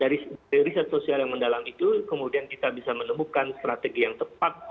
dari riset sosial yang mendalam itu kemudian kita bisa menemukan strategi yang tepat